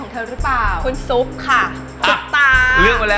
เขาจะเป็นคุณแสดีของเธอรึเปล่า